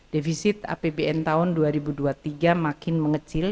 defisit apbn tahun dua ribu dua puluh tiga makin mengecil